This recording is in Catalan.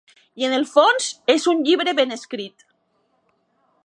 I en el fons és un llibre ben escrit.